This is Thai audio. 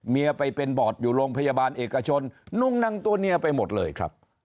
ไปเป็นบอร์ดอยู่โรงพยาบาลเอกชนนุ่งนังตัวเนียไปหมดเลยครับ